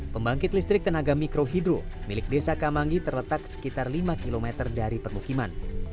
pembangkit listrik tenaga mikrohidro milik desa kamangi terletak sekitar lima km dari permukiman